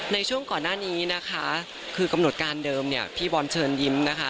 ในช่วงก่อนหน้านี้นะคะคือกำหนดการเดิมเนี่ยพี่บอลเชิญยิ้มนะคะ